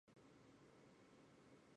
皇后闭门藏在墙内。